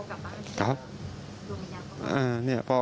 อยู่ดีมาตายแบบเปลือยคาห้องน้ำได้ยังไง